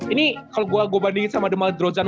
ini kalau gue bandingin sama the maldrozan